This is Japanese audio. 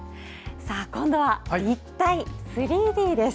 今度は立体３Ｄです。